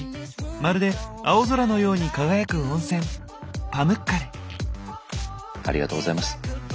まるで青空のように輝く温泉ありがとうございます。